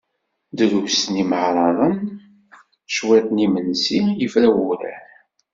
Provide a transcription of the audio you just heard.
Drus n yineɛraḍen, cwiṭ n yimensi, yefra wurar.